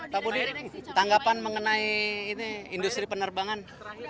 pak budi tanggapan mengenai ini industri penerbangan